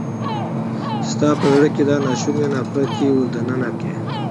چې ستا په زړه کې يې دا ناشونی ناپړیته ور دننه کړه.